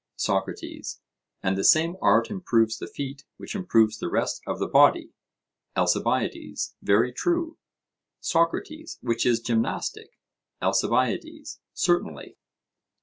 SOCRATES: And the same art improves the feet which improves the rest of the body? ALCIBIADES: Very true. SOCRATES: Which is gymnastic? ALCIBIADES: Certainly.